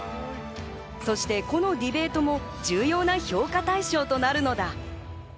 そしてこのディベートも重要な評価対象となるのだ。